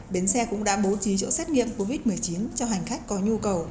bến xe cũng đã bố trí chỗ xét nghiệm covid một mươi chín cho hành khách có nhu cầu